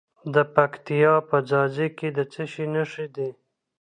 د پکتیا په ځاځي کې د څه شي نښې دي؟